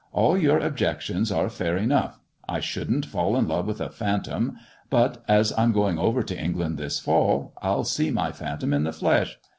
All your objections are fair enough. I shouldn't fall in love with a phantom ; but as I'm going over to England this fall, I'll see my phantom in the flesh.